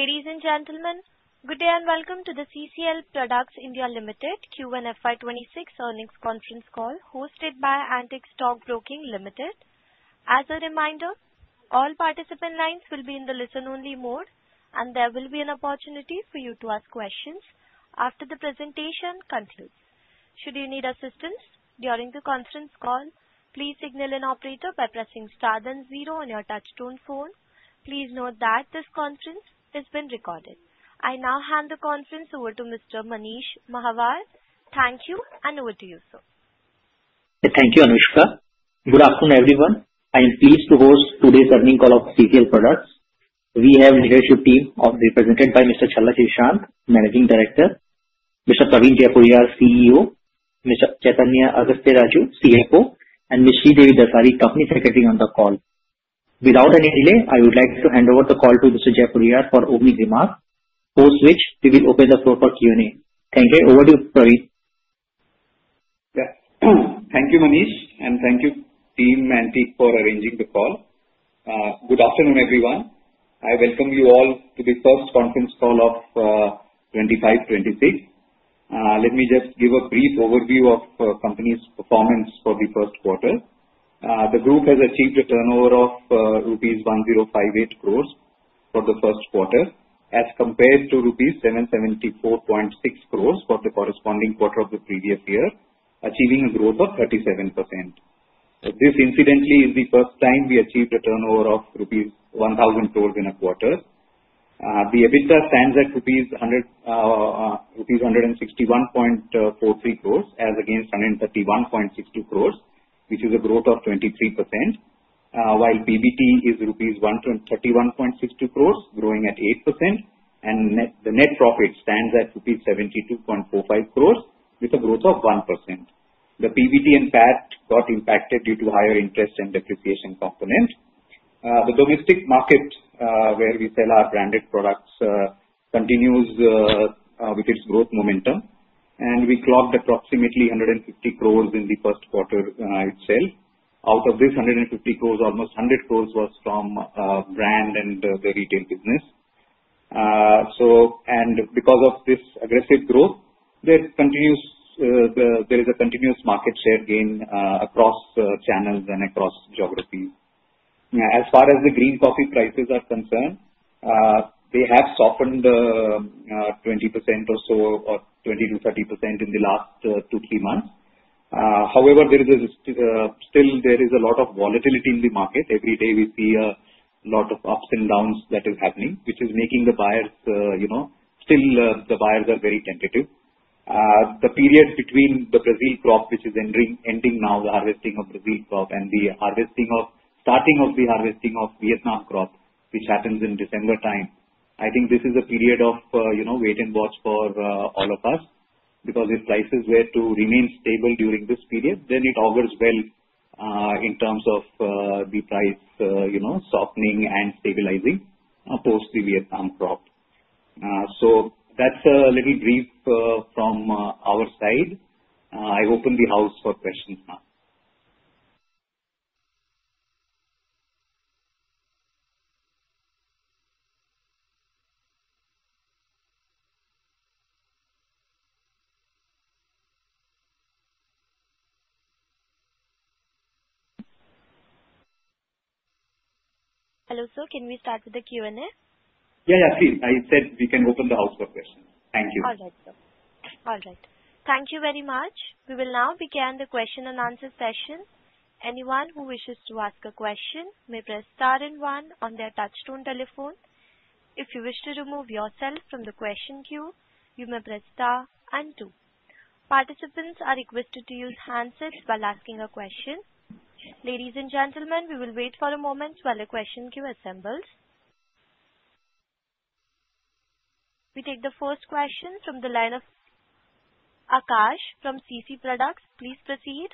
Ladies and gentlemen, good day and welcome to the CCL Products (India) Limited Q1 FY 2026 earnings conference call hosted by Antique Stock Broking Limited. As a reminder, all participant lines will be in the listen-only mode, and there will be an opportunity for you to ask questions after the presentation concludes. Should you need assistance during the conference call, please signal an operator by pressing star then zero on your touchtone phone. Please note that this conference has been recorded. I now hand the conference over to Mr. Manish Mahawar. Thank you, and over to you, sir. Thank you, Anushka. Good afternoon, everyone. I am pleased to host today's earnings call of CCL Products. We have an integrated team represented by Mr. Challa Srishant, Managing Director, Mr. Praveen Jaipuriar, CEO, Mr. Chaithanya Agasthyaraju, CFO, and Ms. Sridevi Dasari, Company Secretary, on the call. Without any delay, I would like to hand over the call to Mr. Jaipuriar for opening remarks, post which we will open the floor for Q&A. Thank you. Over to you, Praveen. Thank you, Manish, and thank you, team Antique, for arranging the call. Good afternoon, everyone. I welcome you all to this first conference call of 2025-2026. Let me just give a brief overview of the company's performance for the first quarter. The group has achieved a turnover of rupees 1,058 crore for the first quarter, as compared to rupees 774.6 crore for the corresponding quarter of the previous year, achieving a growth of 37%. This incidentally is the first time we achieved a turnover of rupees 1,000 crore in a quarter. The EBITDA stands at rupees 161.43 crore as against 131.62 crore, which is a growth of 23%. While PBT is rupees 131.62 crore, growing at 8%, and the net profit stands at rupees 72.45 crore, with a growth of 1%. The PBT, in fact, got impacted due to higher interest and depreciation components. The logistics market, where we sell our branded products, continues with its growth momentum, and we clocked approximately 150 crore in the first quarter itself. Out of this 150 crore, almost 100 crore was from brand and the retail business. Because of this aggressive growth, there is a continuous market share gain across channels and across geographies. As far as the green coffee prices are concerned, they have softened 20% or so, or 20% to 30% in the last two, three months. However, there is still a lot of volatility in the market. Every day we see a lot of ups and downs that are happening, which is making the buyers, you know, still, the buyers are very tentative. The period between the Brazil crop, which is ending now, the harvesting of Brazil crop, and the harvesting of, starting of the harvesting of Vietnam crop, which happens in December time, I think this is a period of wait and watch for all of us because if prices were to remain stable during this period, then it augurs well in terms of the price softening and stabilizing post the Vietnam crop. That's a little brief from our side. I open the house for questions now. Hello, sir. Can we start with the Q&A? Yeah, yeah, please. I said we can open the house for questions. Thank you. All right, sir. All right. Thank you very much. We will now begin the question and answer session. Anyone who wishes to ask a question may press star one on their touchtone telephone. If you wish to remove yourself from the question queue, you may press star two. Participants are requested to use handsets while asking a question. Ladies and gentlemen, we will wait for a moment while the question queue assembles. We take the first question from the line of Akash from CC Products. Please proceed.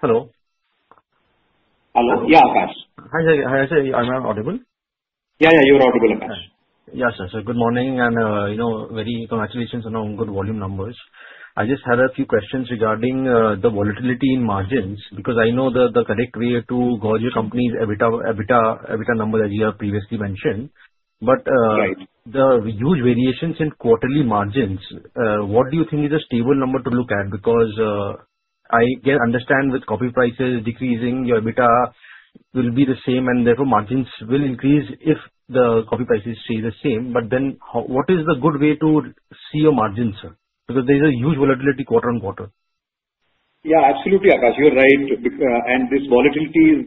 Hello. Hello. Yeah, Akash. Hi, sir. Are you now audible? Yeah, yeah, you're audible. Yeah, sir. Good morning and, you know, very congratulations on good volume numbers. I just had a few questions regarding the volatility in margins because I know the correct way to gauge your company's EBITDA number, as you have previously mentioned. The huge variations in quarterly margins, what do you think is a stable number to look at? I understand with coffee prices decreasing, your EBITDA will be the same, and therefore margins will increase if the coffee prices stay the same. What is the good way to see your margins, sir? There is a huge volatility quarter on quarter. Yeah, absolutely, Akash. You're right. This volatility is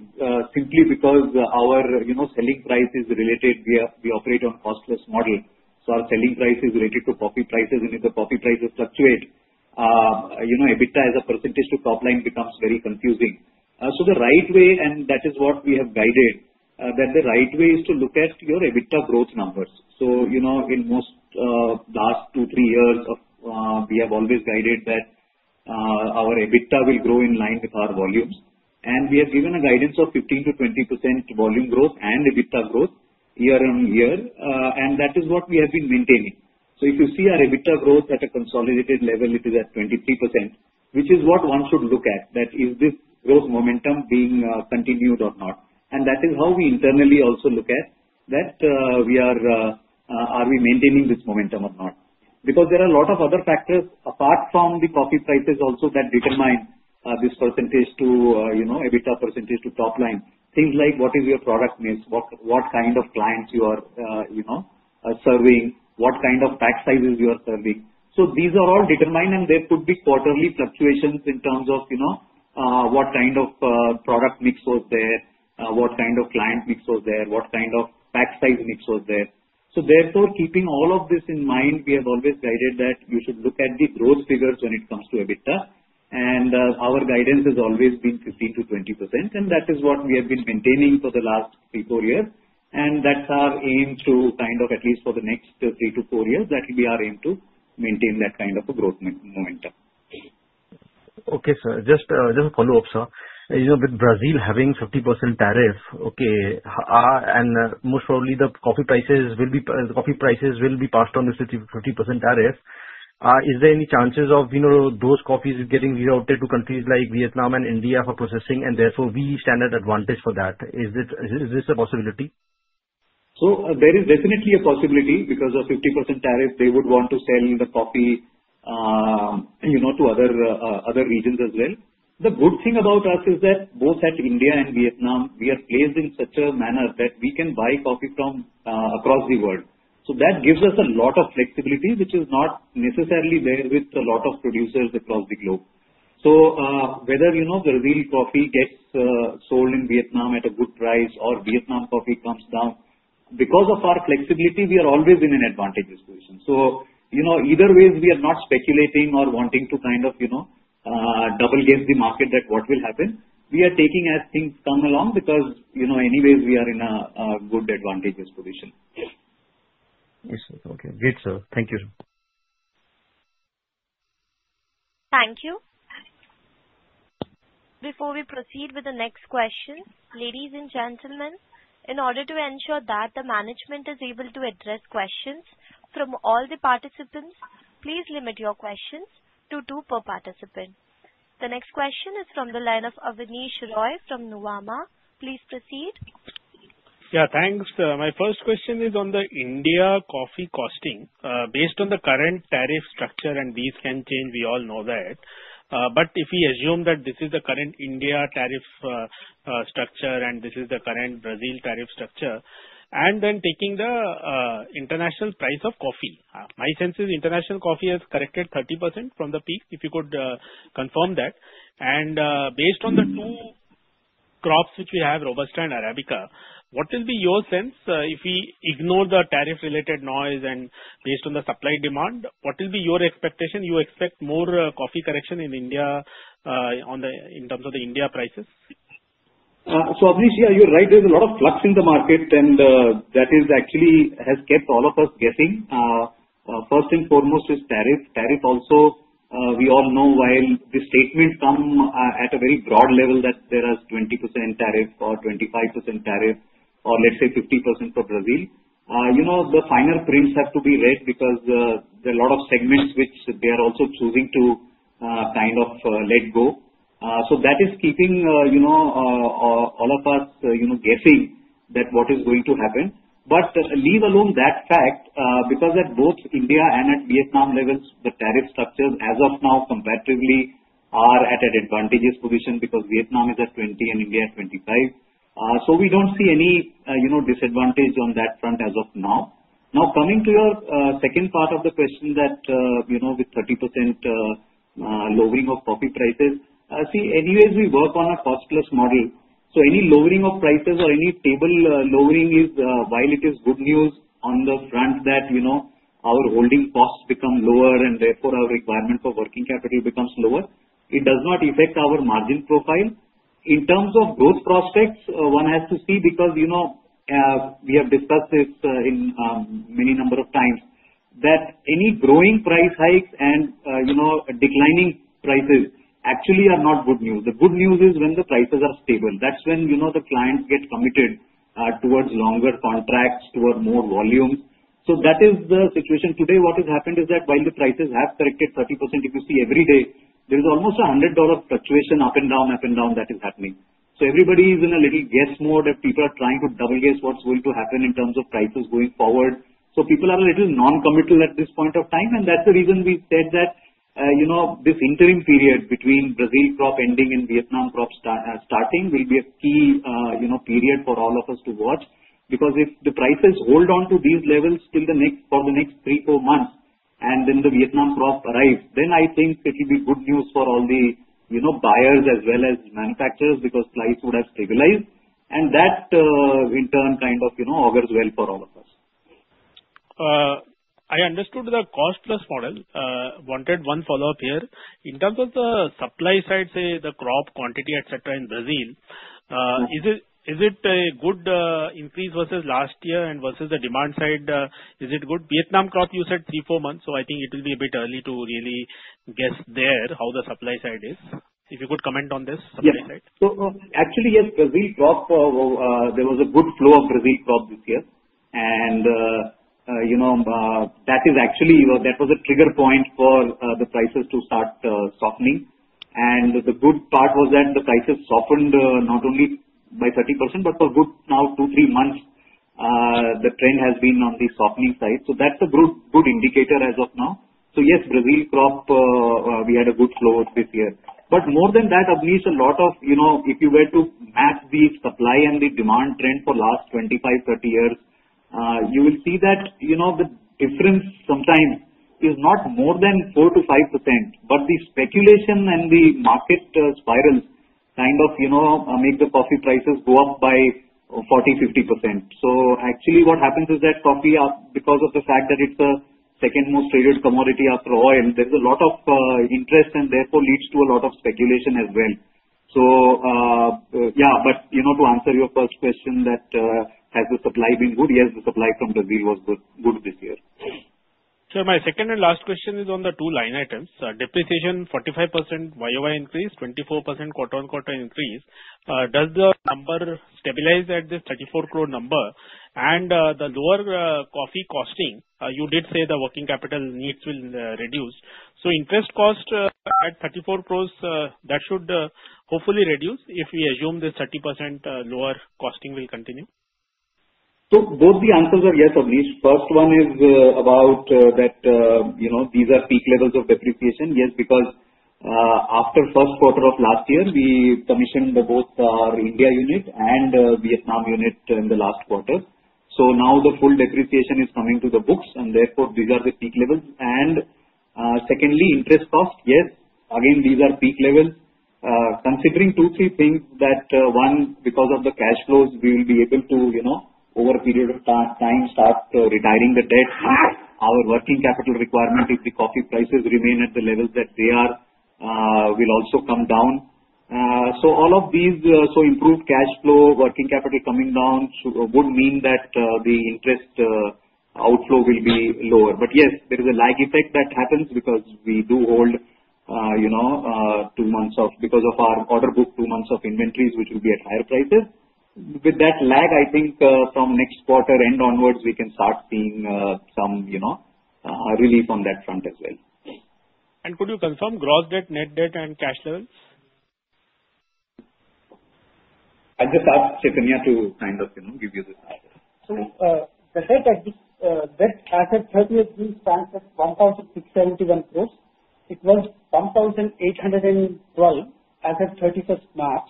simply because our selling price is related. We operate on a cost-plus model, so our selling price is related to coffee prices. If the coffee prices fluctuate, EBITDA as a percentage to top line becomes very confusing. The right way, and that is what we have guided, is that the right way is to look at your EBITDA growth numbers. In most of the last two, three years, we have always guided that our EBITDA will grow in line with our volumes. We have given a guidance of 15% to 20% volume growth and EBITDA growth year on year, and that is what we have been maintaining. If you see our EBITDA growth at a consolidated level, it is at 23%, which is what one should look at, that is, this growth momentum being continued or not. That is how we internally also look at that. Are we maintaining this momentum or not? There are a lot of other factors apart from the coffee prices also that determine this percentage to EBITDA percentage to top line. Things like what is your product mix, what kind of clients you are serving, what kind of pack sizes you are serving. These are all determined, and there could be quarterly fluctuations in terms of what kind of product mix was there, what kind of client mix was there, what kind of pack size mix was there. Therefore, keeping all of this in mind, we have always guided that you should look at the growth figures when it comes to EBITDA. Our guidance has always been 15% to 20%, and that is what we have been maintaining for the last three, four years. That's our aim to kind of, at least for the next three to four years, that will be our aim to maintain that kind of a growth momentum. Okay, sir. Just a follow-up, sir. With Brazil having 50% tariffs, and most probably the coffee prices will be passed on with the 50% tariffs, is there any chances of those coffees getting rerouted to countries like Vietnam and India for processing, and therefore we stand at advantage for that? Is this a possibility? There is definitely a possibility because of 50% tariffs, they would want to sell the coffee to other regions as well. The good thing about us is that both at India and Vietnam, we are placed in such a manner that we can buy coffee from across the world. That gives us a lot of flexibility, which is not necessarily there with a lot of producers across the globe. Whether Brazil coffee gets sold in Vietnam at a good price or Vietnam coffee comes down, because of our flexibility, we are always in an advantageous position. Either way, we are not speculating or wanting to kind of double guess the market that what will happen. We are taking as things come along because, you know, anyways, we are in a good advantageous position. Yes, sir. Okay. Great, sir. Thank you. Thank you. Before we proceed with the next question, ladies and gentlemen, in order to ensure that the management is able to address questions from all the participants, please limit your questions to two per participant. The next question is from the line of Abneesh Roy from Nuvama. Please proceed. Yeah, thanks. My first question is on the India coffee costing. Based on the current tariff structure, and these can change, we all know that. If we assume that this is the current India tariff structure and this is the current Brazil tariff structure, and then taking the international price of coffee, my sense is international coffee has corrected 30% from the peak, if you could confirm that. Based on the two crops which we have, Robusta and Arabica, what will be your sense, if we ignore the tariff-related noise and based on the supply demand, what will be your expectation? You expect more coffee correction in India, in terms of the India prices? Abneesh, yeah, you're right. There's a lot of flux in the market, and that has actually kept all of us guessing. First and foremost is tariff. Tariff also, we all know while the statements come at a very broad level that there are 20% tariff or 25% tariff or let's say 50% for Brazil. You know, the finer prints have to be read because there are a lot of segments which they are also choosing to kind of let go. That is keeping all of us guessing what is going to happen. Leave alone that fact, because at both India and at Vietnam levels, the tariff structures as of now comparatively are at an advantageous position because Vietnam is at 20% and India at 25%. We don't see any disadvantage on that front as of now. Now coming to your second part of the question that, you know, with 30% lowering of coffee prices, see, anyways, we work on a cost-plus model. Any lowering of prices or any table lowering is, while it is good news on the front that our holding costs become lower and therefore our requirement for working capital becomes lower, it does not affect our margin profile. In terms of growth prospects, one has to see because we have discussed this many number of times that any growing price hikes and declining prices actually are not good news. The good news is when the prices are stable. That's when the client gets committed towards longer contracts, toward more volumes. That is the situation. Today, what has happened is that while the prices have corrected 30%, if you see every day, there is almost a $100 fluctuation up and down, up and down that is happening. Everybody is in a little guess mode that people are trying to double guess what's going to happen in terms of prices going forward. People are a little non-committal at this point of time. That's the reason we said that this interim period between Brazil crop ending and Vietnam crop starting will be a key period for all of us to watch because if the prices hold on to these levels for the next three, four months, and then the Vietnam crop arrives, then I think it will be good news for all the buyers as well as manufacturers because prices would have stabilized. That, in turn, kind of augurs well for all of us. I understood the cost-plus model. I wanted one follow-up here. In terms of the supply side, say the crop quantity, etc., in Brazil, is it a good increase versus last year and versus the demand side? Is it good? Vietnam crop, you said three, four months. I think it will be a bit early to really guess there how the supply side is. If you could comment on this, that would be great. Yeah. Actually, yes, Brazil crop, there was a good flow of Brazil crop this year. That was a trigger point for the prices to start softening. The good part was when the prices softened, not only by 30%, but for a good now two, three months, the trend has been on the softening side. That's a good indicator as of now. Yes, Brazil crop, we had a good flow this year. More than that, Abneesh, if you were to match the supply and the demand trend for the last 25, 30 years, you will see that the difference from time is not more than 4%-5%, but the speculation and the market spiral kind of make the coffee prices go up by 40%, 50%. What happens is that coffee, because of the fact that it's the second most traded commodity after oil, there's a lot of interest and therefore leads to a lot of speculation as well. To answer your first question, has the supply been good? Yes, the supply from Brazil was good this year. Sir, my second and last question is on the two line items. Depreciation 45% YoY increase, 24% quarter-on-quarter increase. Does the number stabilize at this 34 crore number? The lower coffee costing, you did say the working capital needs will reduce. Interest cost at 34 crores, that should hopefully reduce if we assume this 30% lower costing will continue. Both the answers are yes, Abneesh. First one is about that, you know, these are peak levels of depreciation. Yes, because after the first quarter of last year, we commissioned both our India unit and Vietnam unit in the last quarter. Now the full depreciation is coming to the books, and therefore, these are the peak levels. Secondly, interest cost, yes, again, these are peak levels. Considering two, three things that, one, because of the cash flows, we will be able to, over a period of time, start retiring the debt. Our working capital requirement, if the coffee prices remain at the levels that they are, will also come down. All of these, so improved cash flow, working capital coming down would mean that the interest outflow will be lower. Yes, there is a lag effect that happens because we do hold, you know, two months of, because of our order book, two months of inventories, which will be at higher prices. With that lag, I think from next quarter end onwards, we can start seeing some, you know, a relief on that front as well. Could you confirm gross debt, net debt, and cash levels? I'll just ask Chaithanya to give you this answer. The debt that we spent at 1,671 crore, it was 1,812 crore as of 31st March,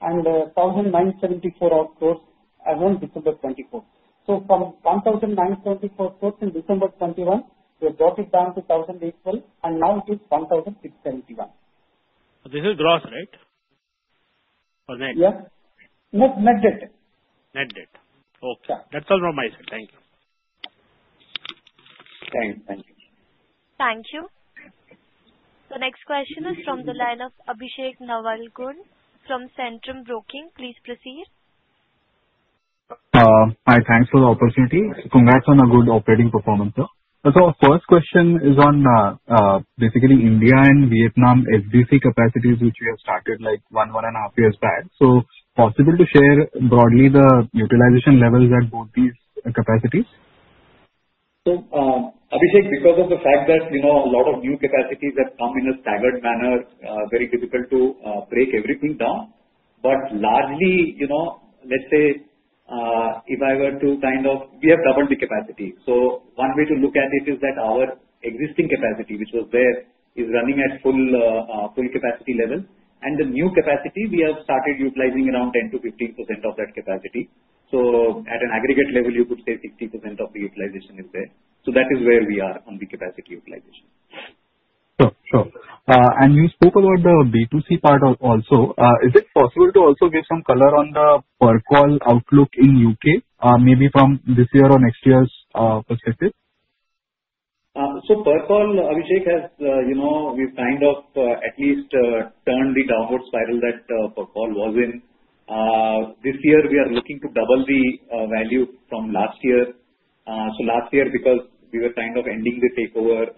and 1,974 crore as of December 2024. From 1,934 crore in December 2021, we brought it down to 1,018 crore, and now it is 1,671 crore. This is gross, right? Or net? Yeah, net debt. Net debt. Okay. That's all from my side. Thank you. Thanks. Thank you. The next question is from the line of Abhishek Navalgund from Centrum Broking. Please proceed. Hi. Thanks for the opportunity. Congrats on a good operating performance, sir. The first question is on, basically, India and Vietnam FDC capacities, which we have started like one, one and a half years back. Possible to share broadly the utilization levels at both these capacities? Abhishek, because of the fact that a lot of new capacities have come in a staggered manner, it's very difficult to break everything down. Largely, if I were to kind of, we have doubled the capacity. One way to look at it is that our existing capacity, which was there, is running at full, full capacity level, and the new capacity, we have started utilizing around 10%-15% of that capacity. At an aggregate level, you could say 60% of the utilization is there. That is where we are on the capacity utilization. You spoke about the B2C part also. Is it possible to also give some color on the Percol outlook in the UK, maybe from this year or next year's perspective? Percol, Abhishek, has, you know, we've kind of at least turned the downward spiral that Percol was in. This year, we are looking to double the value from last year. Last year, because we were kind of ending the takeover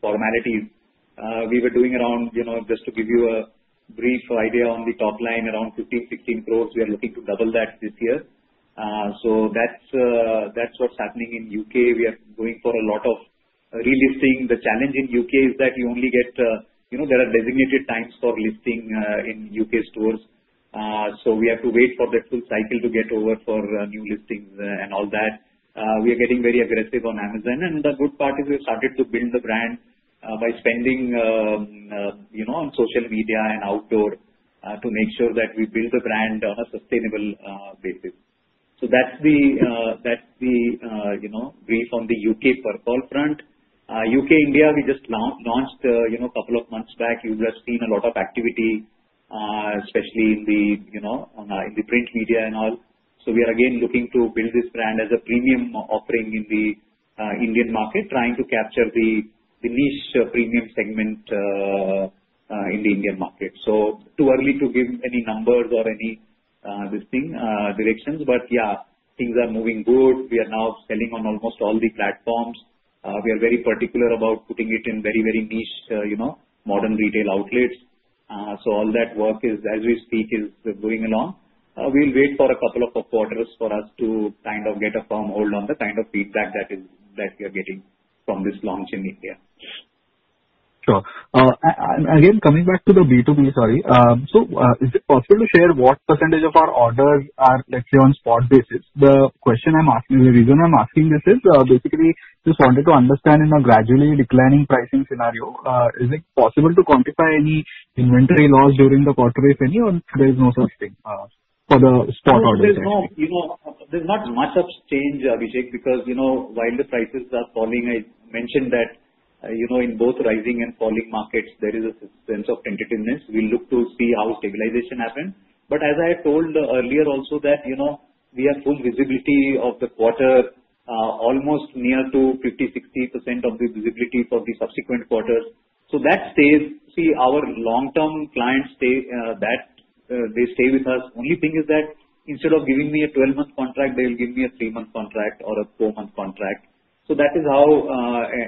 formalities, we were doing around, you know, just to give you a brief idea on the top line, around 15-16 crore. We are looking to double that this year. That's what's happening in the UK. We are going for a lot of relisting. The challenge in the UK is that you only get, you know, there are designated times for listing in UK stores. We have to wait for that full cycle to get over for new listings and all that. We are getting very aggressive on Amazon. The good part is we've started to build the brand by spending, you know, on social media and outdoor, to make sure that we build the brand on a sustainable basis. That's the brief on the UK Percol front. India, we just launched, you know, a couple of months back. You've just seen a lot of activity, especially in the, you know, in the print media and all. We are again looking to build this brand as a premium offering in the Indian market, trying to capture the niche premium segment in the Indian market. Too early to give any numbers or any, this thing, directions. Things are moving good. We are now selling on almost all the platforms. We are very particular about putting it in very, very niche, you know, modern retail outlets. All that work is, as we speak, going along. We'll wait for a couple of quarters for us to kind of get a firm hold on the kind of feedback that we are getting from this launch in India. Again, coming back to the B2B, is it possible to say what percentage of our orders are, let's say, on a spot basis? The reason I'm asking this is, basically, we wanted to understand in a gradually declining pricing scenario, is it possible to quantify any inventory loss during the quarter, if any, or there is no such thing for the spot orders? There's not much of a change, Abhishek, because while the prices are falling, I mentioned that in both rising and falling markets, there is a sense of tentativeness. We'll look to see how stabilization happens. As I told earlier also, we have full visibility of the quarter, almost near to 50%-60% of the visibility for the subsequent quarters. That stays. Our long-term clients stay, they stay with us. The only thing is that instead of giving me a 12-month contract, they'll give me a three-month contract or a four-month contract. That is how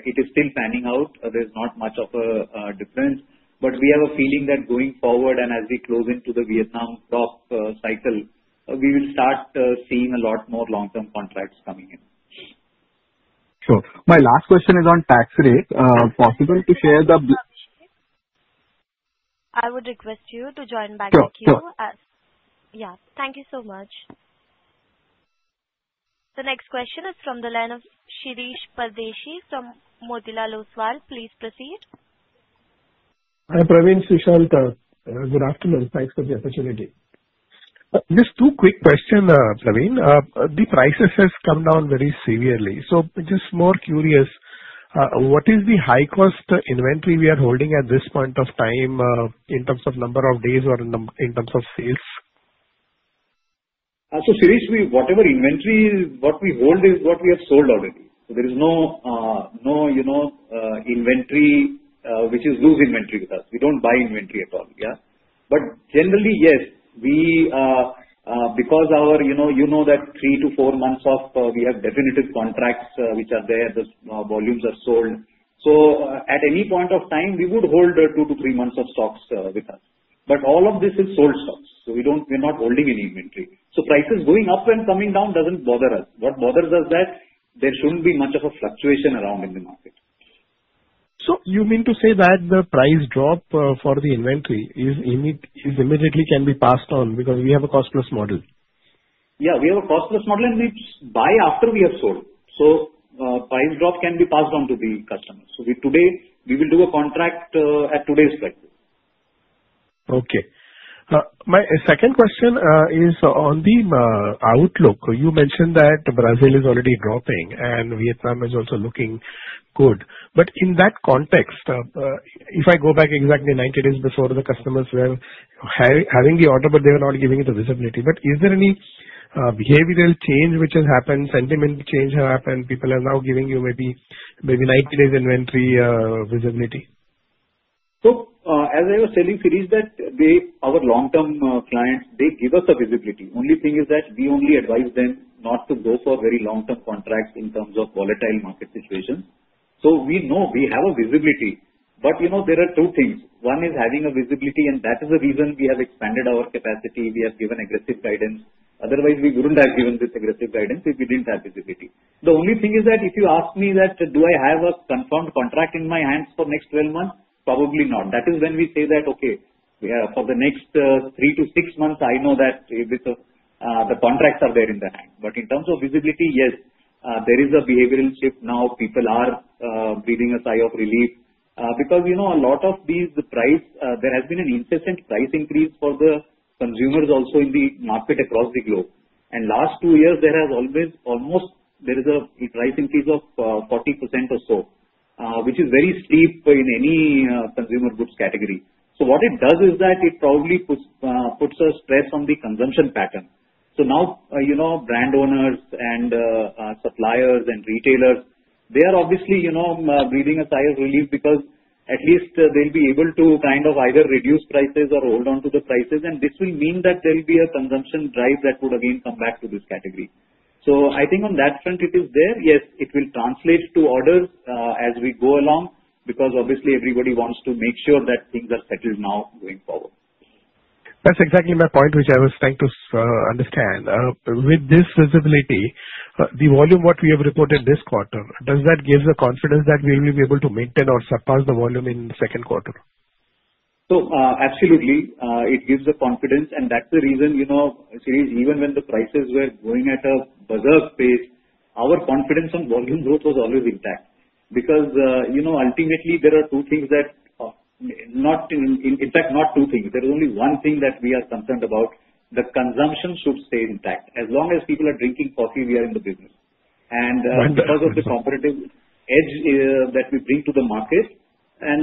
it is still panning out. There's not much of a difference. We have a feeling that going forward and as we close into the Vietnam stock cycle, we will start seeing a lot more long-term contracts coming in. Sure. My last question is on tax rates. Possible to share the? I would request you to join back the queue. Thank you so much. The next question is from the line of Shirish Pardeshi from Motilal Oswal. Please proceed. Hi, Praveen, Chaithanya. Good afternoon. Thanks for the opportunity. Just two quick questions, Praveen. The prices have come down very severely. Just more curious, what is the high-cost inventory we are holding at this point of time, in terms of number of days or in terms of sales? Whatever inventory we hold is what we have sold already. There is no inventory which is loose inventory with us. We don't buy inventory at all. Generally, because our three to four months of definitive contracts are there, the volumes are sold. At any point of time, we would hold two to three months of stocks with us, but all of this is sold stocks. We're not holding any inventory. Prices going up and coming down doesn't bother us. What bothers us is that there shouldn't be much of a fluctuation around inventory. You mean to say that the price drop for the inventory can be immediately passed on because we have a cost-plus business model? Yeah, we have a cost-plus business model, and we buy after we have sold. Price drop can be passed on to the customer. Today, we will do a contract at today's price. Okay. My second question is on the outlook. You mentioned that Brazil is already dropping, and Vietnam is also looking good. In that context, if I go back exactly 90 days before, the customers were having the order, but they were not giving it the visibility. Is there any behavioral change which has happened, sentiment change has happened, people are now giving you maybe 90 days inventory visibility? As I was telling Shirish that our long-term clients, they give us a visibility. The only thing is that we only advise them not to go for a very long-term contract in terms of volatile market situations. We know we have a visibility. There are two things. One is having a visibility, and that is the reason we have expanded our capacity. We have given aggressive guidance. Otherwise, we wouldn't have given this aggressive guidance if we didn't have visibility. The only thing is that if you ask me that do I have a confirmed contract in my hands for the next 12 months, probably not. That is when we say that, okay, for the next three to six months, I know that the contracts are there in that time. In terms of visibility, yes, there is a behavioral shift now. People are breathing a sigh of relief because a lot of these, the price, there has been an incessant price increase for the consumers also in the market across the globe. In the last two years, there has almost been a price increase of 40% or so, which is very steep in any consumer goods category. What it does is that it probably puts a stress on the consumption pattern. Now, brand owners and suppliers and retailers, they are obviously breathing a sigh of relief because at least they'll be able to kind of either reduce prices or hold on to the prices. This will mean that there will be a consumption drive that would again come back to this category. I think on that front, it is there. Yes, it will translate to order as we go along because obviously everybody wants to make sure that things are settled now going forward. That's exactly my point, which I was trying to understand. With this visibility, the volume we have reported this quarter, does that give the confidence that we will be able to maintain or surpass the volume in the second quarter? Absolutely, it gives the confidence. That's the reason, you know, Shirish is even when the prices were going at a buzz of pace, our confidence on volume growth was always intact because, you know, ultimately, there are two things that are not, in fact, not two things. There is only one thing that we are concerned about. The consumption should stay intact. As long as people are drinking coffee, we are in the business. Because of the competitive edge that we bring to the market,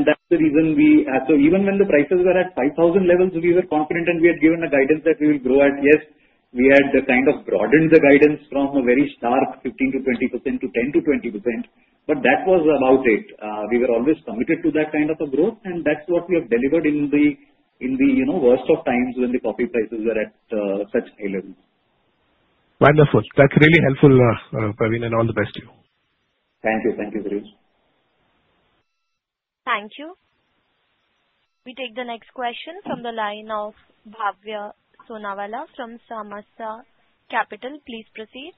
that's the reason we have, even when the prices were at $5,000 levels, we were confident and we had given a guidance that we will grow as yes, we had kind of broadened the guidance from a very sharp 15%-20% to 10%-20%. That was about it. We were always committed to that kind of a growth. That's what we have delivered in the, in the, you know, worst of times when the coffee prices are at such high levels. Wonderful. That's really helpful, Praveen, and all the best to you. Thank you. Thank you, Shirish. Thank you. We take the next question from the line of Bhavya Sonawala from Samaasa Capital. Please proceed.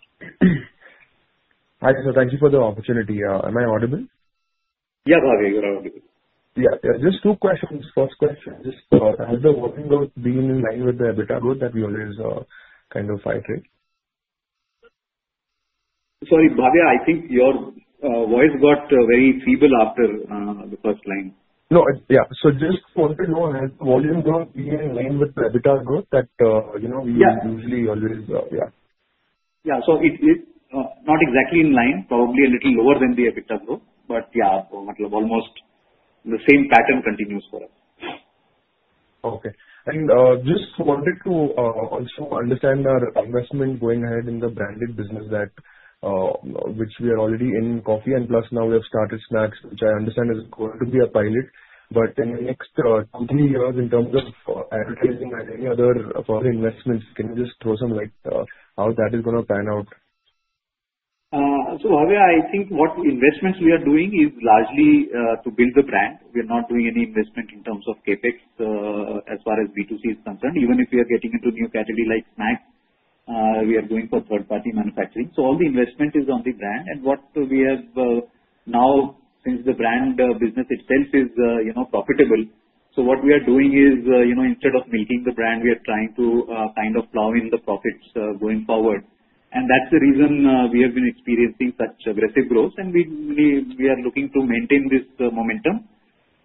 Hi, sir. Thank you for the opportunity. Am I audible? Yeah, Bhavya, you're audible. Yeah. Just two questions. First question, just how the working capital growth being in line with the EBITDA growth that we always kind of fight with? Sorry, Bhavya, I think your voice got very feeble after the first line. Yeah, just want to know has volume growth been in line with EBITDA growth that, you know, we usually always? Yeah, it is not exactly in line, probably a little lower than the EBITDA growth, but yeah, almost the same pattern continues for us. Okay. I just wanted to also understand our investment going ahead in the branded business, which we are already in coffee and plus now we have started snacks, which I understand is going to be a pilot. In the next two, three years, in terms of advertising and any other foreign investments, can you just throw some light on how that is going to pan out? Bhavya, I think what investments we are doing is largely to build the brand. We are not doing any investment in terms of CapEx as far as B2C is concerned. Even if we are getting into a new category like snacks, we are going for third-party manufacturing. All the investment is on the brand. What we have now, since the brand business itself is profitable, what we are doing is, instead of meeting the brand, we are trying to kind of plow in the profits going forward. That's the reason we have been experiencing such aggressive growth. We are looking to maintain this momentum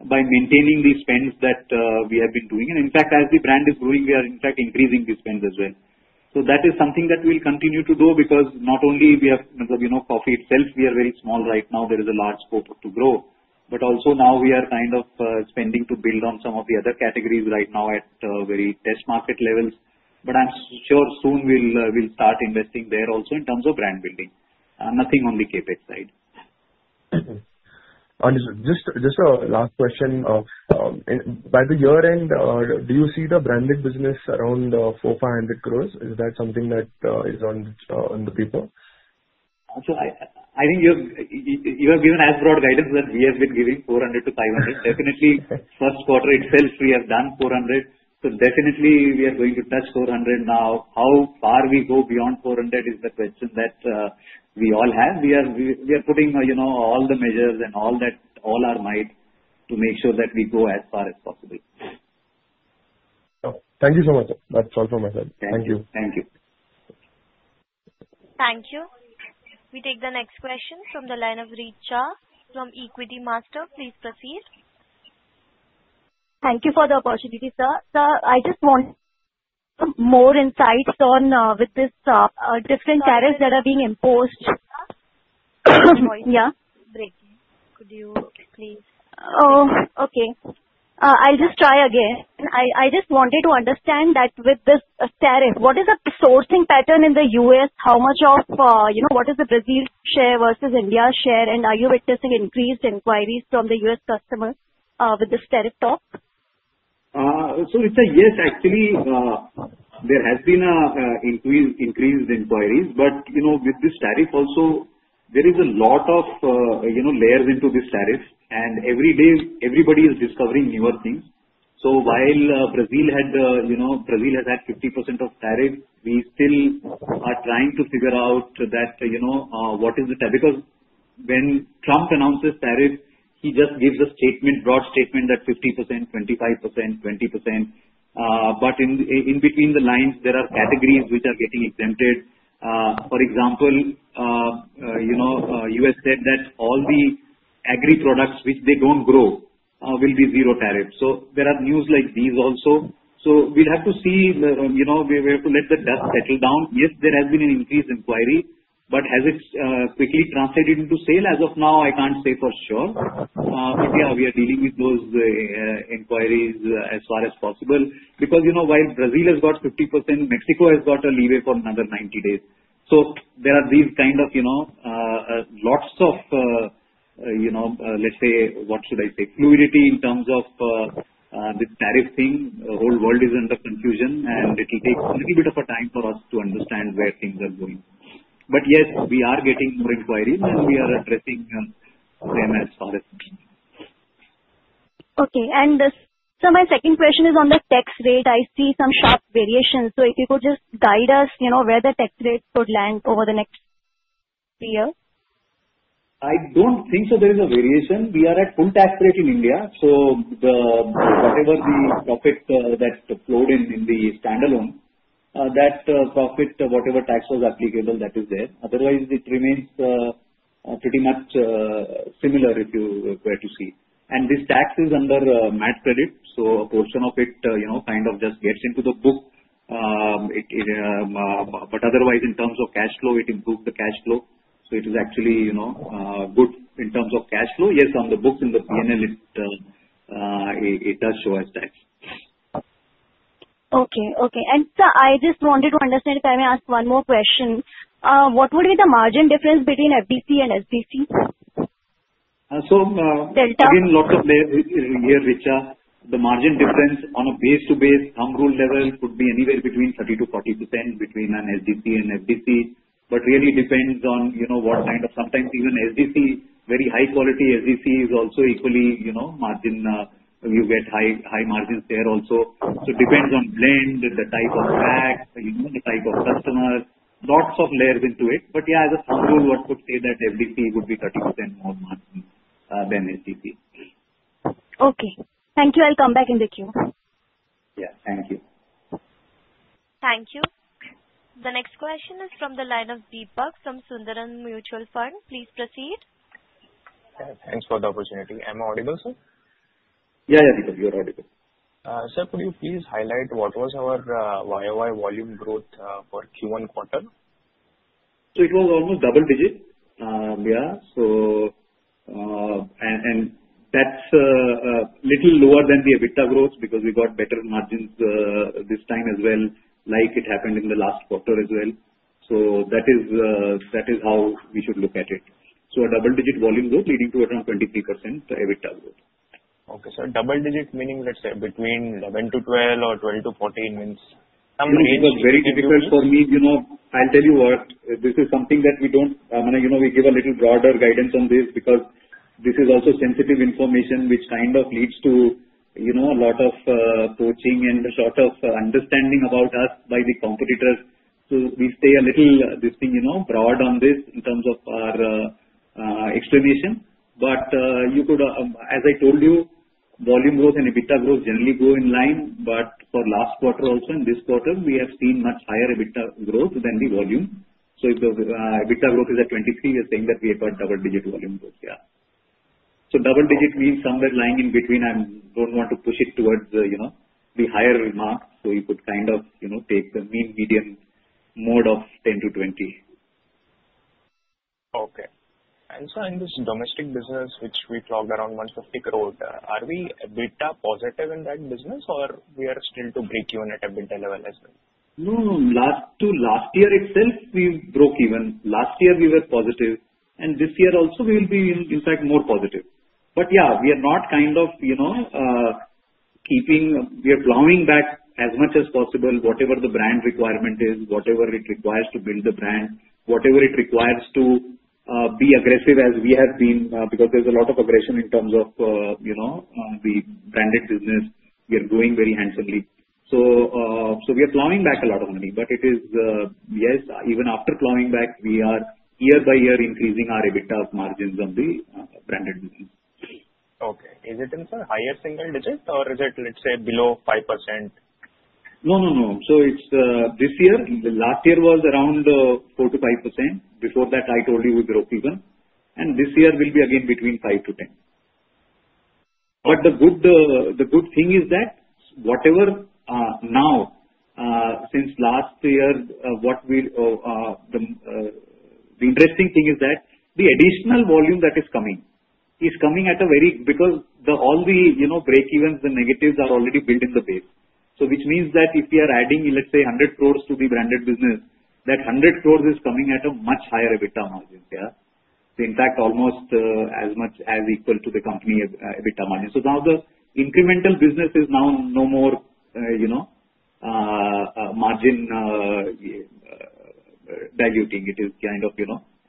by maintaining the spends that we have been doing. In fact, as the brand is growing, we are increasing the spends as well. That is something that we'll continue to do because not only do we have coffee itself, we are very small right now. There is a large scope to grow. Also, now we are kind of spending to build on some of the other categories right now at very test market levels. I'm sure soon we'll start investing there also in terms of brand building. Nothing on the CapEx side. Understood. Just a last question. By the year-end, do you see the branded business around 400-500 crore? Is that something that is on the paper? I think you have given as broad guidance as we have been giving, 400 to 500. Definitely, first quarter itself, we have done 400. Definitely, we are going to touch 400 now. How far we go beyond 400 is the question that we all have. We are putting all the measures and all that, all our might to make sure that we go as far as possible. Thank you so much. That's all from my side. Thank you. Thank you. Thank you. We take the next question from the line of Richa from Equitymaster. Please proceed. Thank you for the opportunity, sir. Sir, I just want more insights on with these different tariffs that are being imposed. Yeah, could you please? Okay. I just wanted to understand that with this tariff, what is the sourcing pattern in the U.S.? How much of, you know, what is the Brazil share versus India share? Are you witnessing increased inquiries from the U.S. customers with this tariff talk? Richa, yes, actually, there has been an increase in inquiries. With this tariff also, there is a lot of layers into this tariff, and every day, everybody is discovering newer things. While Brazil has had 50% of tariff, we still are trying to figure out what is the tariff, because when Trump announced his tariff, he just gives a statement, broad statement that 50%, 25%, 20%. In between the lines, there are categories which are getting exempted. For example, U.S. said that all the agri products which they don't grow will be zero tariffs. There are news like these also. We have to let the dust settle down. Yes, there has been an increased inquiry, but has it quickly translated into sale? As of now, I can't say for sure. We are dealing with those inquiries as far as possible because, while Brazil has got 50%, Mexico has got a leeway for another 90 days. There are these kind of, let's say, fluidity in terms of the tariff thing. The whole world is under confusion, and it will take a little bit of time for us to understand where things are going. Yes, we are getting more inquiries, and we are addressing them as far as possible. Okay. My second question is on the tax rate. I see some sharp variations. If you could just guide us, you know, where the tax rate could land over the next year. I don't think so there is a variation. We are at full tax rate in India. Whatever the profit that's deployed in the standalone, that profit, whatever tax was applicable, that is there. Otherwise, it remains pretty much similar if you were to see. This tax is under MAT credit. A portion of it kind of just gets into the book, but otherwise, in terms of cash flow, it improved the cash flow. It is actually good in terms of cash flow. Yes, on the books in the P&L, it does show as that. Okay. Okay. Sir, I just wanted to understand if I may ask one more question. What would be the margin difference between FDC and SDC? I mean, not to bear here, Richa, the margin difference on a base-to-base, hung rule level could be anywhere between 30%-40% between an SDC and FDC. It really depends on, you know, what kind of, sometimes even SDC, very high-quality SDC is also equally, you know, margin. You get high, high margins there also. It depends on blend, the type of rack, you know, the type of customer. Lots of layers into it. As a rule, what could say that FDC would be 30% more than SDC. Okay. Thank you. I'll come back in the queue. Thank you. The next question is from the line of Deepak from Sundaram Mutual Fund. Please proceed. Thanks for the opportunity. Am I audible, sir? Yeah, yeah, Deepak, you're audible. Sir, could you please highlight what was our YoY volume growth for Q1 quarter? It was almost double digits. That's a little lower than the EBITDA growth because we got better margins this time as well, like it happened in the last quarter as well. That is how we should look at it, a double-digit volume growth leading to around 23% EBITDA growth. Okay, sir. Double digits meaning, let's say, between 11% to 12% or 12% to 14% means? That is very difficult for me. I'll tell you what. This is something that we don't, you know, we give a little broader guidance on this because this is also sensitive information, which kind of leads to a lot of approaching and a lot of understanding about us by the competitors. We stay a little broad on this in terms of our explanation. As I told you, volume growth and EBITDA growth generally go in line. For last quarter also and this quarter, we have seen much higher EBITDA growth than the volume. If the EBITDA growth is at 23%, we are saying that we have a double-digit volume growth. Yeah. Double digit means somewhere lying in between. I don't want to push it towards the higher mark. We could kind of take the mean, median, mode of 10%-20%. Okay. In this domestic business, which we clocked around 150 crore, are we EBITDA positive in that business, or are we still to break even at EBITDA level as well? No, no. Last to last year itself, we broke even. Last year, we were positive. This year also, we will be, in fact, more positive. We are not kind of, you know, keeping, we are clawing back as much as possible, whatever the brand requirement is, whatever it requires to build the brand, whatever it requires to be aggressive as we have seen, because there's a lot of aggression in terms of, you know, the branded business. We are growing very handsomely. We are clawing back a lot of money. It is, yes, even after clawing back, we are year by year increasing our EBITDA margins on the branded business. Okay. Is it in, sir, higher single digits, or is it, let's say, below 5%? No, no, no. It's this year, last year was around 4%-5%. Before that, I told you we broke even. This year will be again between 5%-10%. The good thing is that since last year, the interesting thing is that the additional volume that is coming is coming at a very, because all the break evens, the negatives are already built in the base. Which means that if we are adding, let's say, 100 crore to the branded business, that 100 crore is coming at a much higher EBITDA margin. In fact, almost as much as equal to the company EBITDA margin. Now the incremental business is no more margin diluting. It is kind of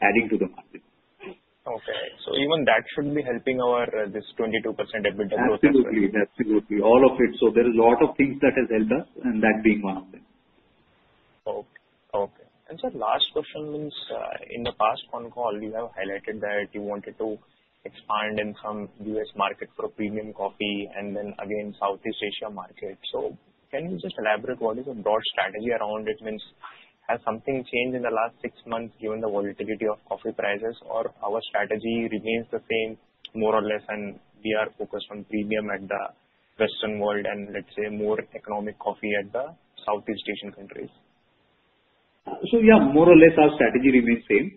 adding to the margin. Okay. Even that shouldn't be helping this 22% EBITDA growth. Absolutely. Absolutely. All of it. There are a lot of things that have helped us, and that being one of them. Okay. Okay. Sir, last question, in the past on-call, you have highlighted that you wanted to expand in some U.S. markets for premium coffee and then again Southeast Asia market. Can you just elaborate what is your broad strategy around it? Has something changed in the last six months given the volatility of coffee prices, or our strategy remains the same more or less, and we are focused on premium at the Western world and let's say more economic coffee at the Southeast Asian countries? Yeah, more or less our strategy remains the same.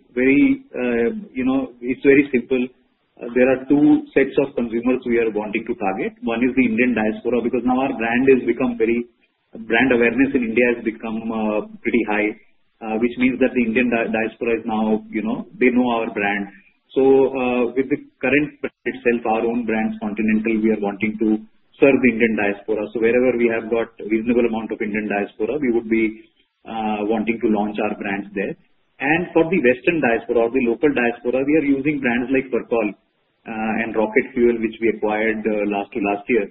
It's very simple. There are two sets of consumers we are wanting to target. One is the Indian diaspora because now our brand awareness in India has become pretty high, which means that the Indian diaspora now knows our brand. With the current brand itself, our own brands, Continental, we are wanting to serve the Indian diaspora. Wherever we have got a reasonable amount of Indian diaspora, we would be wanting to launch our brands there. For the Western diaspora or the local diaspora, we are using brands like Percol and Rocket Fuel, which we acquired last year,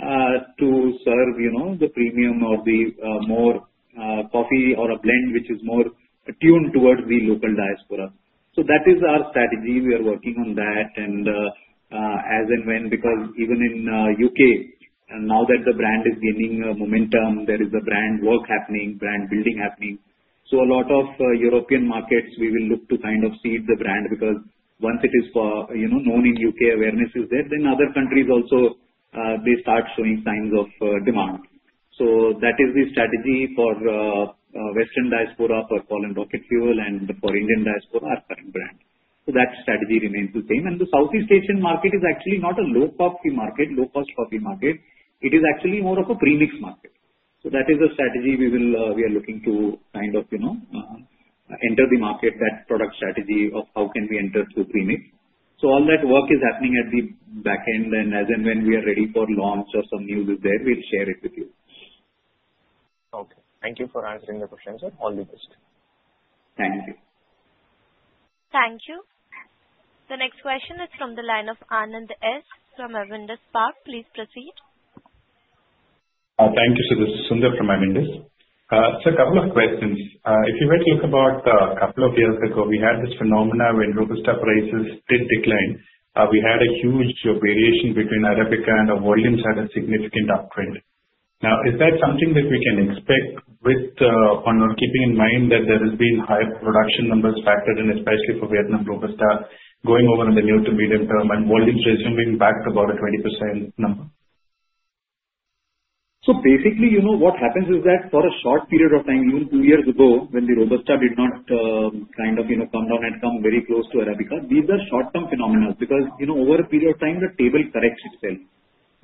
to serve the premium or a blend which is more attuned towards the local diaspora. That is our strategy. We are working on that. As and when, because even in the UK, now that the brand is gaining momentum, there is brand work happening, brand building happening. A lot of European markets, we will look to kind of seed the brand because once it is known in the UK, awareness is there, then other countries also start showing signs of demand. That is the strategy for Western diaspora, Percol and Rocket Fuel, and for Indian diaspora, our current brand. That strategy remains the same. The Southeast Asian market is actually not a low-cost coffee market. It is actually more of a premix market. That is the strategy we are looking to kind of enter the market, that product strategy of how can we enter through premix. All that work is happening at the back end. As and when we are ready for launch or some news is there, we'll share it with you. Okay. Thank you for answering your questions, sir. All the best. Thank you. Thank you. The next question is from the line of Anand S. from Avendus Spark. Please proceed. Thank you, Sundar from Avendus. Sir, a couple of questions. If you were to look about a couple of years ago, we had this phenomenon when Robusta prices did decline. We had a huge variation between Arabica, and our volumes had a significant uptrend. Now, is that something that we can expect with, or not, keeping in mind that there has been high production numbers factored in, especially for Vietnam Robusta going over in the near to medium term and volumes resuming back to about a 20% number? Basically, what happens is that for a short period of time, even two years ago when the Robusta did not come down, had come very close to Arabica, these are short-term phenomena because over a period of time, the table corrects itself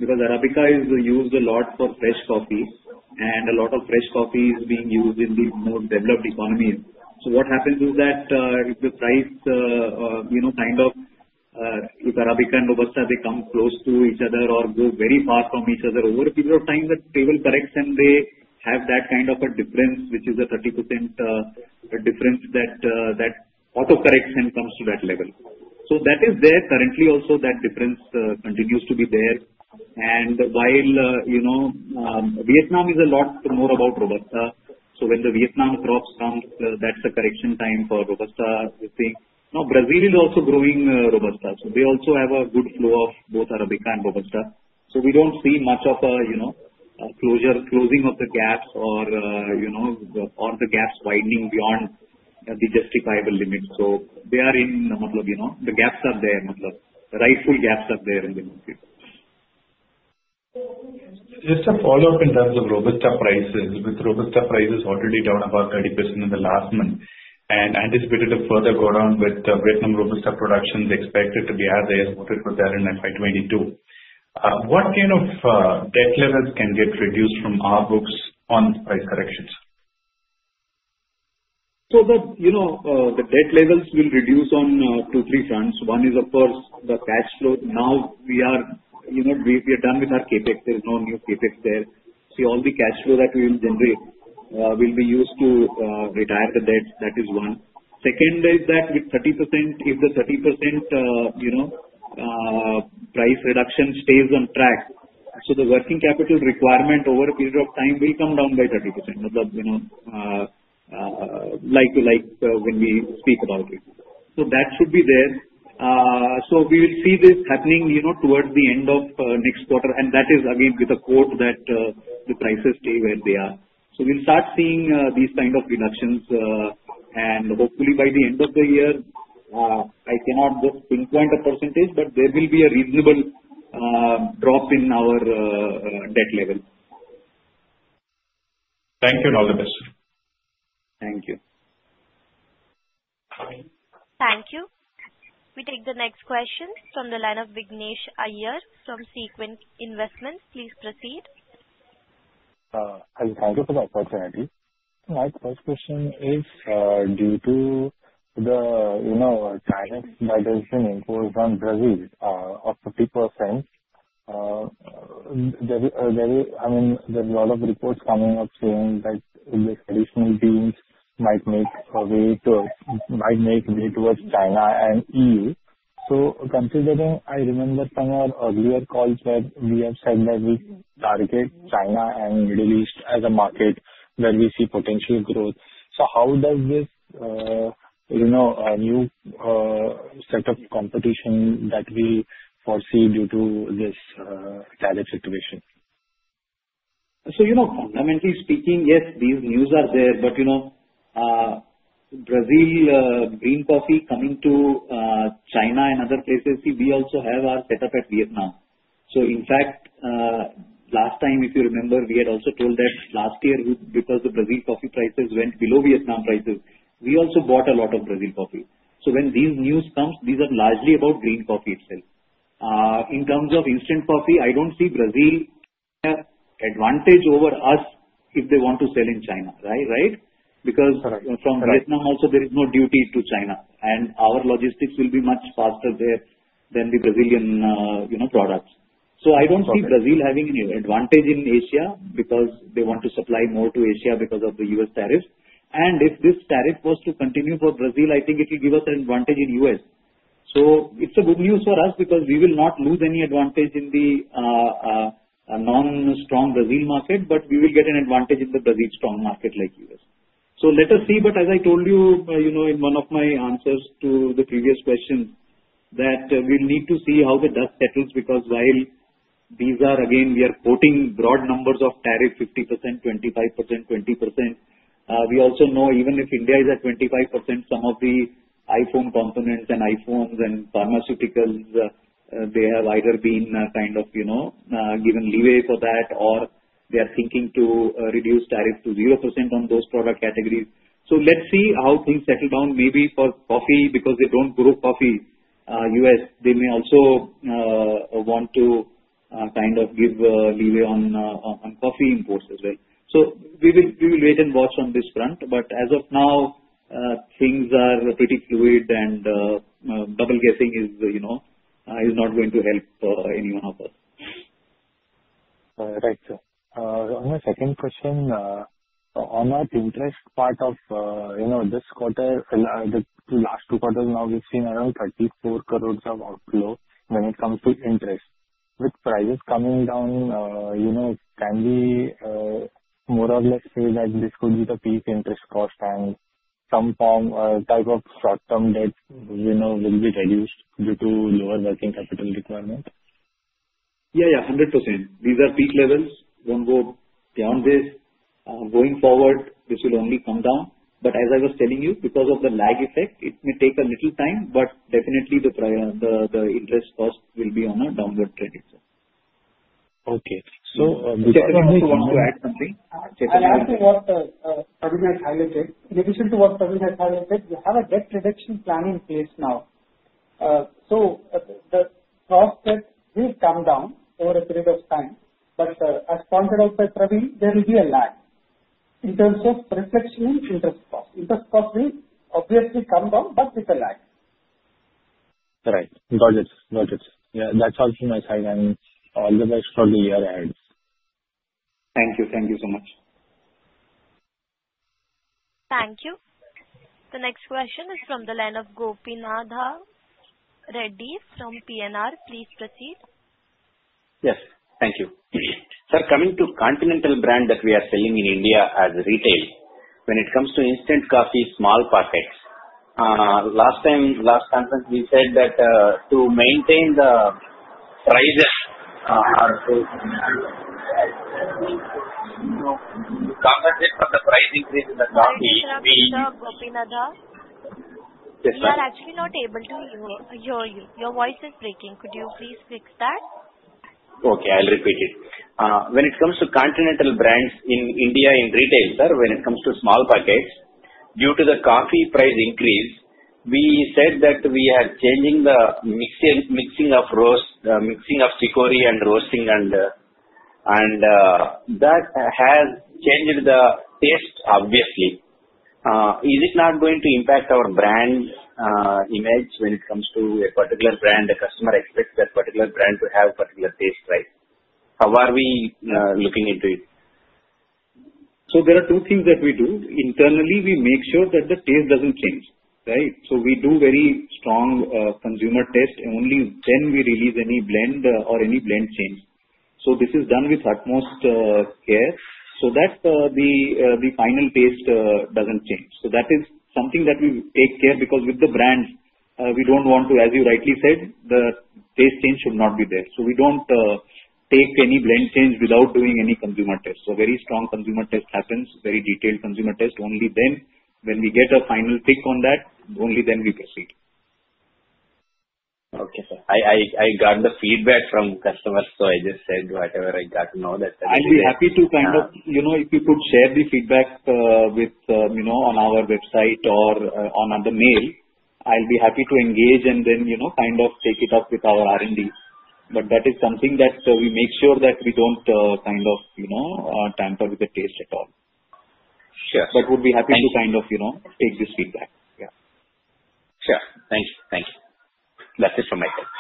because Arabica is used a lot for fresh coffee, and a lot of fresh coffee is being used in the more developed economies. What happens is that if the price, if Arabica and Robusta become close to each other or go very far from each other over a period of time, the table corrects and they have that kind of a difference, which is a 30% difference that autocorrects and comes to that level. That is there. Currently, also that difference continues to be there. While Vietnam is a lot more about Robusta, when the Vietnam crops come, that's a correction time for Robusta. Brazil is also growing Robusta, so they also have a good flow of both Arabica and Robusta. We don't see much of a closure, closing of the gaps or the gaps widening beyond the justifiable limit. The gaps are there. The rightful gaps are there in the market. Just a follow-up in terms of Robusta prices. With Robusta prices already down about 30% in the last month and anticipated to further go down with the Vietnam Robusta production expected to be as is, what it was there in FY 2022, what kind of debt levels can get reduced from our books on price corrections? The debt levels will reduce on two, three fronts. One is, of course, the cash flow. Now we are done with our CapEx. There's no new CapEx there. All the cash flow that we will generate will be used to retire the debt. That is one. Second is that with 30%, if the 30% price reduction stays on track, the working capital requirement over a period of time will come down by 30%, like when we speak about it. That should be there. We will see this happening towards the end of next quarter. That is, again, with a quote that the prices stay where they are. We will start seeing these kinds of reductions. Hopefully, by the end of the year, I cannot pinpoint a percentage, but there will be a reasonable drop in our debt level. Thank you and all the best. Thank you. Thank you. We take the next question from the line of Vignesh Iyer from Sequent Investments. Please proceed. Thank you for the opportunity. My first question is, due to the tariffs that have been imposed on Brazil of 50%, there's a lot of reports coming up saying that the traditional deals might make way towards China and the EU. Considering, I remember from our earlier calls that we have said that we target China and the Middle East as a market that we see potential growth. How does this new set of competition that we foresee due to this tariff situation? Fundamentally speaking, yes, these news are there. Brazil green coffee coming to China and other places, we also have our setup at Vietnam. In fact, last time, if you remember, we had also told that last year because the Brazil coffee prices went below Vietnam prices, we also bought a lot of Brazil coffee. When these news comes, these are largely about green coffee still. In terms of instant coffee, I don't see Brazil advantage over us if they want to sell in China, right? Because from Vietnam also, there is no duty to China, and our logistics will be much faster there than the Brazilian products. I don't see Brazil having an advantage in Asia because they want to supply more to Asia because of the U.S. tariffs. If this tariff was to continue for Brazil, I think it will give us an advantage in the U.S. It's good news for us because we will not lose any advantage in the non-strong Brazil market, but we will get an advantage in the Brazil strong market like the U.S. Let us see. As I told you, in one of my answers to the previous question, we'll need to see how the dust settles because while these are, again, we are quoting broad numbers of tariffs, 50%, 25%, 20%, we also know even if India is at 25%, some of the iPhone components and iPhones and pharmaceuticals, they have either been kind of given leeway for that, or they are thinking to reduce tariffs to 0% on those product categories. Let's see how things settle down. Maybe for coffee, because they don't grow coffee, U.S., they may also want to kind of give a leeway on coffee imports as well. We will wait and watch on this front. As of now, things are pretty fluid and double guessing is not going to help anyone of us. Right, sir. On your second question, on that interest part of, you know, this quarter, the last two quarters now, we've seen around 34 crore of outflow when it comes to interest. With prices coming down, you know, can we more or less say that this could be the peak interest cost and some form, type of short-term debt, you know, will be reduced due to lower working capital requirement? Yeah, yeah, 100%. These are peak levels. When we go beyond this, going forward, this will only come down. As I was telling you, because of the lag effect, it may take a little time, but definitely the interest cost will be on a downward prediction. Okay. So. Chairman, I want to add something. Chief Executive Work Permit has had an effect. We have a debt reduction plan in place now, so the cost will come down over a period of time. As sponsored by Praveen Jaipuriar, there will be a lag. In terms of reflection in interest cost, interest cost will obviously come down, but with a lag. Right. Got it. Got it. Yeah, that's something I think I will always follow your ads. Thank you. Thank you so much. Thank you. The next question is from the line of Gopinadha Reddy from PNR. Please proceed. Yes. Thank you. Sir, coming to Continental brand that we are seeing in India as retail when it comes to instant coffee, small packets. Last time, we said that to maintain the prices, are approved. Gopinadha, we are actually not able to hear you. Your voice is breaking. Could you please fix that? Okay, I'll repeat it. When it comes to Continental brands in India in retail, sir, when it comes to small packets, due to the coffee price increase, we said that we are changing the mixing of roast, mixing of chicory and roasting, and that has changed the taste, obviously. Is it not going to impact our brand image when it comes to a particular brand? The customer expects a particular brand to have a particular taste, right? How are we looking into it? There are two things that we do. Internally, we make sure that the taste doesn't change, right? We do very strong consumer tests. Only then we release any blend or any blend change. This is done with utmost care. The final taste doesn't change. That is something that we take care of because with the brands, we don't want to, as you rightly said, the taste change should not be there. We don't take any blend change without doing any consumer tests. A very strong consumer test happens, very detailed consumer test. Only then, when we get a final pick on that, only then we proceed. Okay, I got the feedback from customers, so I just said whatever I got now. I'll be happy to, if you could share the feedback on our website or on the mail, I'll be happy to engage and then take it up with our R&D. That is something that we make sure that we don't tamper with the taste at all. Sure. We'll be happy to take this feedback. Sure. Thanks. Thank you. That is from my side.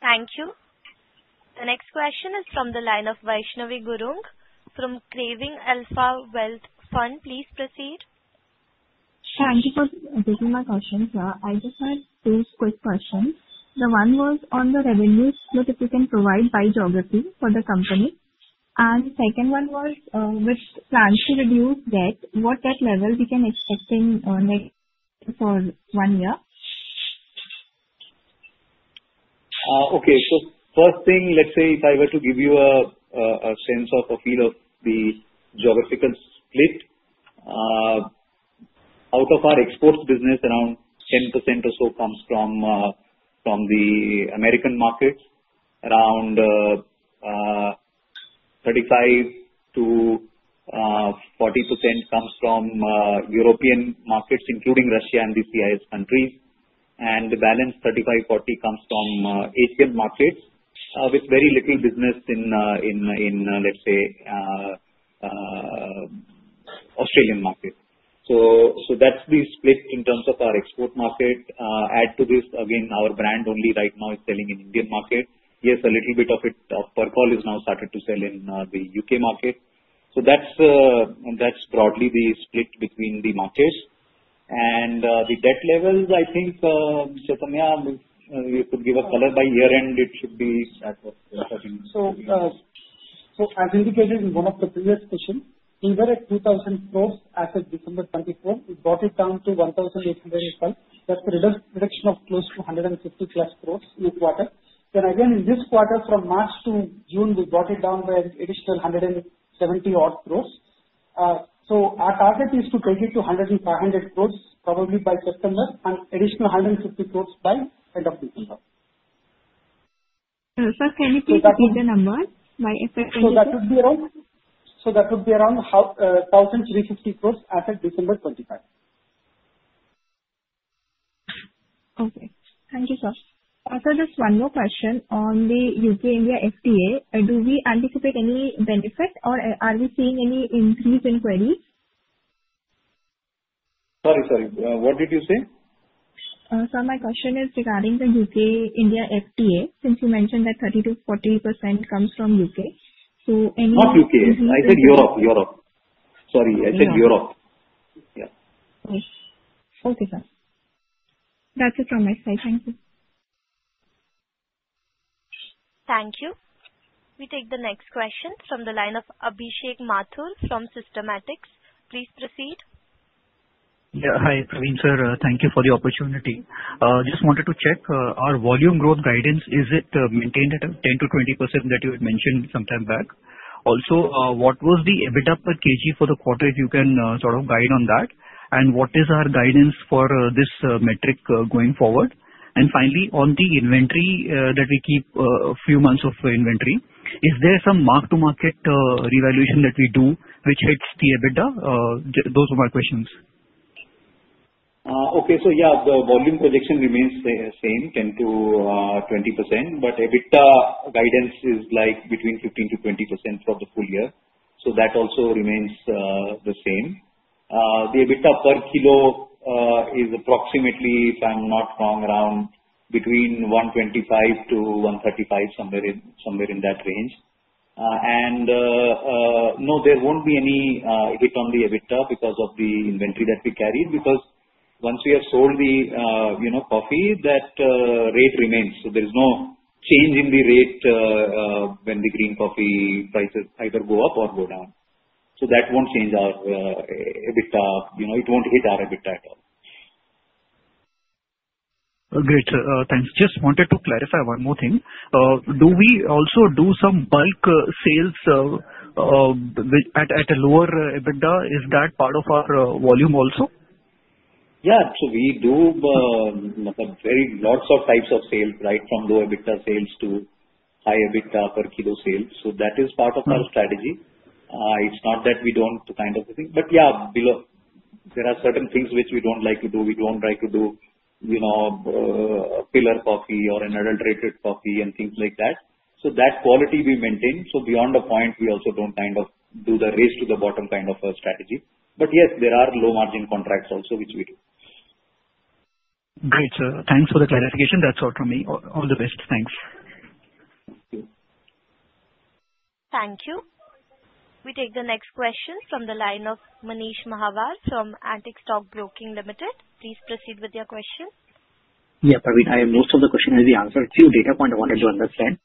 Thank you. The next question is from the line of Vaishnavi Gurung from Craving Alpha Wealth Fund. Please proceed. Thank you for taking my questions, sir. I just had three quick questions. One was on the revenue specifically provided by geography for the company. The second one was, with plans to reduce debt, what debt level we can expect in the next one year? Okay. If I were to give you a sense of a feel of the geographical split, out of our export business, around 10% or so comes from the American markets. Around 35%-40% comes from European markets, including Russia and the CIS countries. The balance 35%-40% comes from Asian markets with very little business in, let's say, Australian markets. That's the split in terms of our export market. Add to this, again, our brand only right now is selling in the Indian market. Yes, a little bit of it, of Percol, has now started to sell in the UK market. That's broadly the split between the markets. The debt levels, I think, Chaithanya, if you could give us a color by year end, it should be at what we are having. As indicated in one of the previous questions, we were at 2,000 crore as of December 2024. We brought it down to 1,800 crore this month. That's a reduction of close to 150+ crore each quarter. In this quarter, from March to June, we brought it down by an additional 170-odd crore. Our target is to take it to 100 to 500 crore probably by September and an additional 150 crore by end of this year. Sir, can you please repeat the number? My instructions. That would be around 1,350 crore as of December 2025. Okay. Thank you, sir. I have just one more question on the UK India FTA. Do we anticipate any benefit, or are we seeing any increase in query? Sorry. What did you say? Sir, my question is regarding the UK India FTA since you mentioned that 30%-40% comes from the UK. Any. Not UK. I said Europe. Europe, sorry. I said Europe. Yeah. Okay. Okay, sir. That's it from my side. Thank you. Thank you. We take the next question from the line of Abhishek Mathur from Systematix. Please proceed. Yeah. Hi, Praveen sir. Thank you for the opportunity. Just wanted to check our volume growth guidance. Is it maintained at 10%-20% that you had mentioned some time back? Also, what was the EBITDA per KG for the quarter if you can sort of guide on that? What is our guidance for this metric going forward? Finally, on the inventory that we keep a few months of inventory, is there some mark-to-market reevaluation that we do which hits the EBITDA? Those are my questions. Okay. The volume prediction remains the same, 10%-20%. EBITDA guidance is between 15%-20% for the full year. That also remains the same. The EBITDA per kilo is approximately, if I'm not wrong, around between 125 to 135, somewhere in that range. There won't be any impact on the EBITDA because of the inventory that we carry. Once we have sold the coffee, that rate remains. There is no change in the rate when the green coffee prices either go up or go down. That won't change our EBITDA. It won't hit our EBITDA at all. Great. Thanks. Just wanted to clarify one more thing. Do we also do some bulk sales at a lower EBITDA? Is that part of our volume also? Yeah. We do lots of types of sales, right, from low EBITDA sales to high EBITDA per kilo sales. That is part of our strategy. It's not that we don't kind of think. There are certain things which we don't like to do. We don't like to do, you know, a pillar coffee or an adulterated coffee and things like that. That quality we maintain. Beyond the point, we also don't kind of do the race to the bottom kind of a strategy. Yes, there are low-margin contracts also which we do. Great. Thanks for the clarification. That's all from me. All the best. Thanks. Thank you. We take the next question from the line of Manish Mahawar from Antique Stock Broking Limited. Please proceed with your question. Yeah, Praveen. I have most of the questions. I'll be answered to you. Data point I wanted to understand.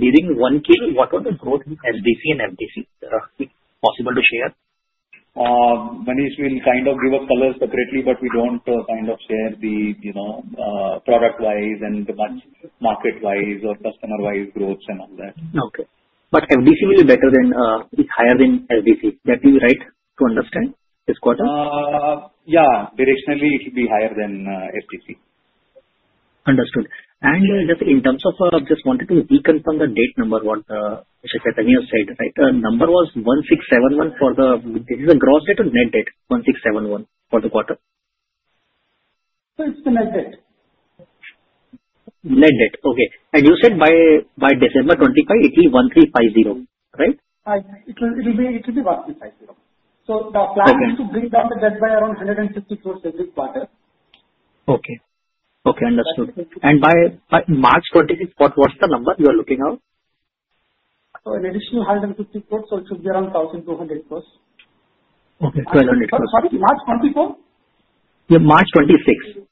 During one K, what was the growth in SDC and FDC? Is it possible to share? Manish will kind of give us colors separately, but we don't kind of share the, you know, product-wise and the market-wise or customer-wise growths and all that. Okay. FDC will be better than, it's higher than SDC. That will be right to understand this quarter? Yeah, directionally, it should be higher than FDC instant coffee. Understood. Just in terms of, I just wanted to reconfirm the debt number, which I said earlier, right? The number was 1,671 for the, this is a gross debt and net debt, 1,671 for the quarter. It is still at this. Net debt. Okay. You said by December 2025, it'll be 1,350, right? It'll be 1,350 crore. The plan is to bring down the debt by around 150 crore every quarter. Okay. Okay. Understood. By March 2026, what was the number you are looking at? An additional 150 crore, so it should be around 1,200 crore. Okay. 1,200 crore. March 24? Yeah, March 26.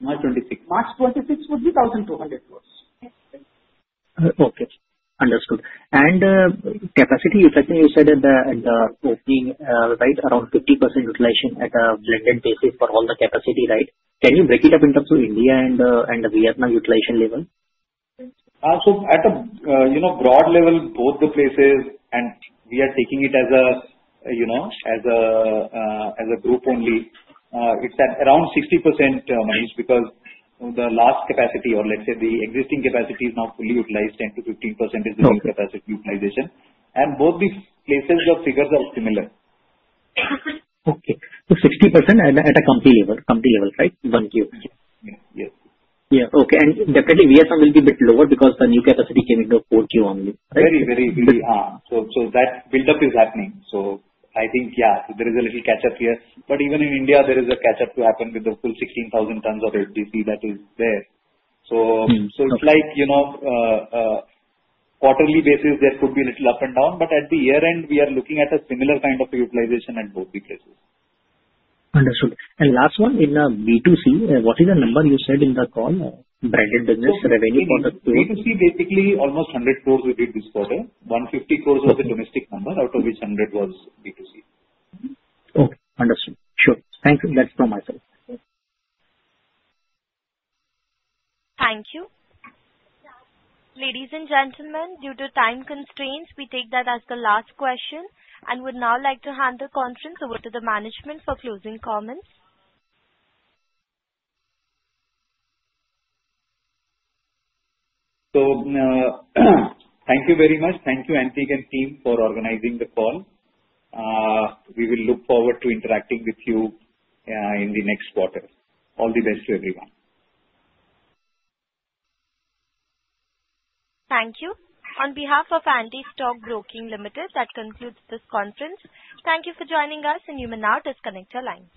March 26. March 26 would be 1,200 crore. Okay. Understood. The capacity, you said at the 15, right, around 50% utilization at a very basic for all the capacity, right? Can you break it up in terms of India and the Vietnam utilization level? At a broad level, both the places, and we are taking it as a group only. It's at around 60%, Manish, because the last capacity or let's say the existing capacity is not fully utilized. 10%-15% is the new capacity utilization. Both these places, the figures are similar. Okay, 60% at a company level, right? One Q. Yes. Yeah. Okay. We have a little bit lower because the new capacity came in the fourth quarter only, right? That buildup is happening. I think, yeah, there is a little catch-up here. Even in India, there is a catch-up to happen with the full 16,000 tons of FDC that is there. It's like, you know, on a quarterly basis, there could be a little up and down. At the year end, we are looking at a similar kind of utilization at both these places. Understood. Last one, in B2C, what is the number you said in the call, bracketed revenue? B2C, basically, almost 100 crore we did this quarter. 150 crore was the domestic number, out of which 100 crore was B2C. Okay. Understood. Sure. Thanks. That's for myself. Thank you. Ladies and gentlemen, due to time constraints, we take that as the last question and would now like to hand the conference over to the management for closing comments. Thank you very much. Thank you, Antique and team, for organizing the call. We will look forward to interacting with you in the next quarter. All the best to everyone. Thank you. On behalf of Antique Stock Broking Limited, that concludes this conference. Thank you for joining us, and you may now disconnect your lines.